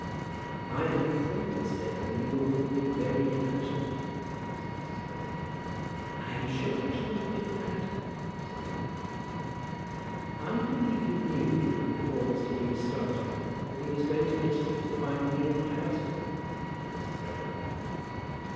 "I am afraid, Miss Dale, you will think me very impertinent," said Mrs. Arabin. "I am sure I shall not think that," said Lily. "I believe you knew, before Mr. Eames started, that he was going to Italy to find me and my husband?" said Mrs. Arabin.